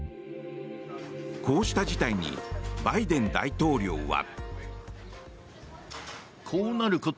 こうした事態にバイデン大統領は。